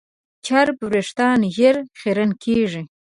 چرب وېښتيان ژر خیرن کېږي.